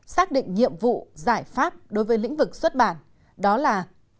xác định nhiệm vụ giải pháp đối với lĩnh vực xuất bản đó là